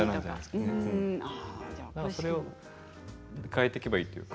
だからそれを変えていけばいいというか。